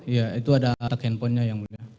itu ada atas handphonenya yang mulia